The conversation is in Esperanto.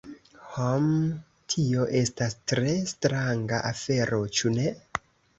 Hmm, tio estas tre stranga afero, ĉu ne?